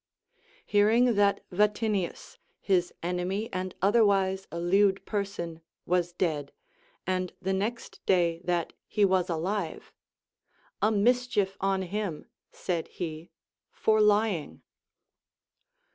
Hearing that \'atinius, his enemy and otherwise a lewd person, was dead, and the next day that he was alive, A mischief on him, said he, for lying.